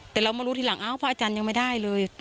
แต่เรามารู้ทีหลังอ้าวพระอาจารย์ยังไม่ได้เลย